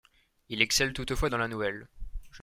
Il excelle toutefois dans la nouvelle.